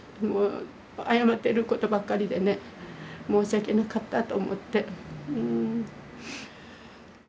もう謝ってることばっかりでね申し訳なかったと思って。